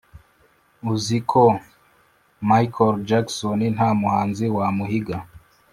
uziko michael jackson ntamuhanzi wamuhiga